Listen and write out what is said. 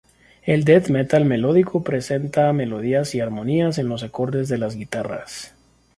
El death metal melódico presenta melodías y armonías en los acordes de las guitarras.